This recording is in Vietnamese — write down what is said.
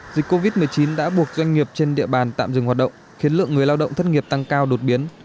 dịch covid một mươi chín đã buộc doanh nghiệp trên địa bàn tạm dừng hoạt động khiến lượng người lao động thất nghiệp tăng cao đột biến